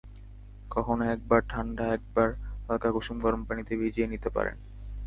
কখনো একবার ঠান্ডা একবার হালকা কুসুম গরম পানিতে ভিজিয়ে নিতে পারেন।